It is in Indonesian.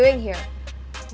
lo ngapain disini